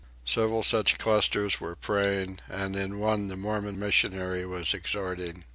Several such clusters were praying, and in one the Mormon missionary was exhorting.